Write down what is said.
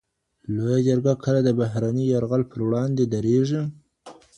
لویه جرګه کله د بهرني یرغل پر وړاندې درېږي؟